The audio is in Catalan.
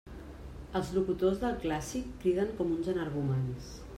Els locutors del clàssic criden com uns energúmens.